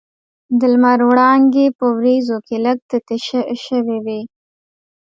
د لمر وړانګې په وریځو کې لږ تتې شوې وې.